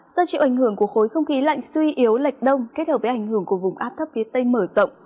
do chịu ảnh hưởng của khối không khí lạnh suy yếu lệch đông kết hợp với ảnh hưởng của vùng áp thấp phía tây mở rộng